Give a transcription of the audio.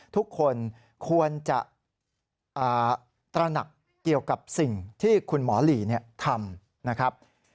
ทุกคนควรจะตระหนักเกี่ยวกับสิ่งที่คุณหมอหลีทำนะครับ